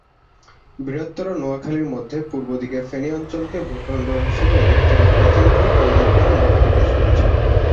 বৃহত্তর নোয়াখালীর মধ্যে পূর্ব দিকের ফেনী অঞ্চলকে ভূ-খণ্ড হিসেবে অধিকতর প্রাচীন বলে পণ্ডিতগণ মত প্রকাশ করেছেন।